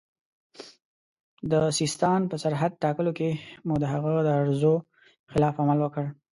د سیستان په سرحد ټاکلو کې مو د هغه د ارزو خلاف عمل وکړ.